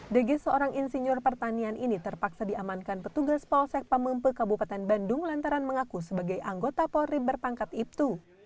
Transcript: degi seorang insinyur pertanian ini terpaksa diamankan petugas polsek pamempe kabupaten bandung lantaran mengaku sebagai anggota polri berpangkat ibtu